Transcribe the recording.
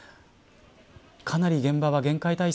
かなり現場は厳戒体制。